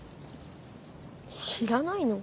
知らないの？